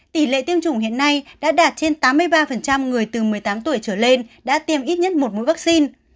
tỷ lệ tiêm chủng hiện nay đã đạt trên tám mươi ba người từ một mươi tám tuổi trở lên đã tiêm ít nhất một mũi vaccine